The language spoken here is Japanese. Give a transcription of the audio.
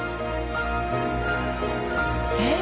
えっ？